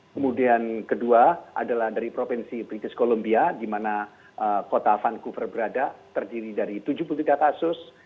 kemudian kedua adalah dari provinsi british columbia di mana kota vancouver berada terdiri dari tujuh puluh tiga kasus